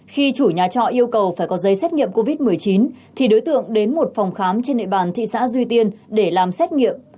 khi chủ nhà trọ yêu cầu phải có giấy xét nghiệm covid một mươi chín thì đối tượng đến một phòng khám trên địa bàn thị xã duy tiên để làm xét nghiệm